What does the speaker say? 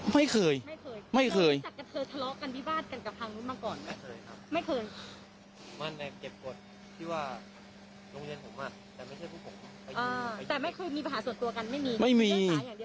ไม่เคยไม่เคย